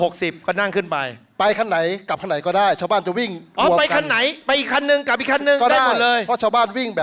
ก็ได้เพราะชาวบ้านวิ่งแบบ